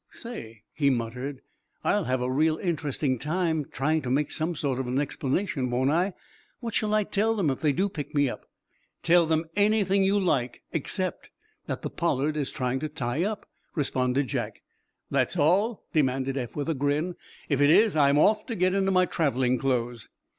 "Say," he muttered, "I'll have a real interesting time trying to make some sort of an explanation, won't I? What shall I tell them if they do pick me up?" "Tell 'em anything you like, except that the 'Pollard' is trying to tie up," responded Jack. "That all?" demanded Eph, with a grin. "If it is, I'm off to get into my traveling clothes."